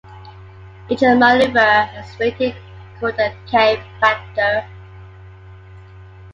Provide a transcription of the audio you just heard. Each maneuver has a rating called the "K-Factor".